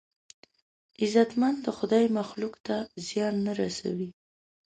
غیرتمند د خدای مخلوق ته زیان نه رسوي